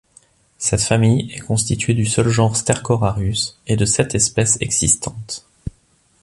Cette famille est constituée du seul genre Stercorarius et de sept espèces existantes.